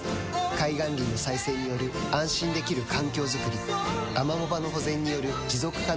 海岸林の再生による安心できる環境づくりアマモ場の保全による持続可能な海づくり